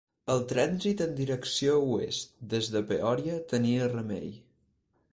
El trànsit en direcció oest des de Peòria tenia remei.